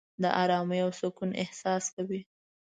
د آرامۍ او سکون احساس کوې.